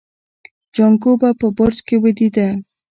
جانکو به په برج کې ويدېده.